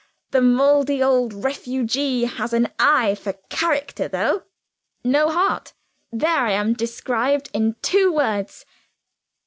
the mouldy old refugee has an eye for character, though. No heart there I am, described in two words."